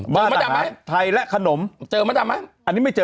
มดดำไหมไทยและขนมเจอมดดำไหมอันนี้ไม่เจอ